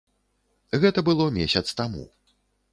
Гэта было месяц таму.